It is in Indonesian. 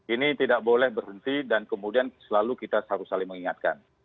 ini tidak boleh berhenti dan kemudian selalu kita harus saling mengingatkan